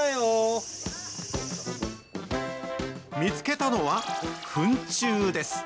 見つけたのは、フン虫です。